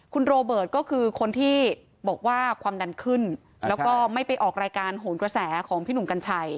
คุณโรเบิร์ตก็คือคนที่บอกว่าความดันขึ้นแล้วก็ไม่ไปออกรายการโหนกระแสของพี่หนุ่มกัญชัย